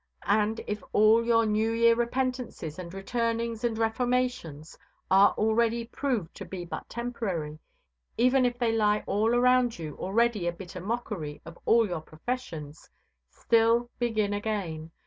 And if all your New Year repentances and returnings and reformations are all already proved to be but temporary even if they lie all around you already a bitter mockery of all your professions still, begin again.